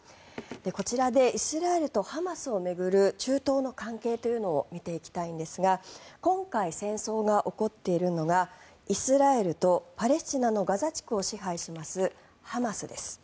こちらでイスラエルとハマスを巡る中東の関係というのを見ていきたいんですが今回、戦争が起こっているのがイスラエルとパレスチナのガザ地区を支配しますハマスです。